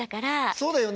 そうだよね。